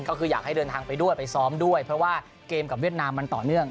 ก็คืออยากให้เดินทางไปด้วยไปซ้อมด้วยเพราะว่าเกมกับเวียดนามมันต่อเนื่อง